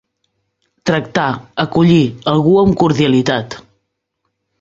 Tractar, acollir, algú amb cordialitat.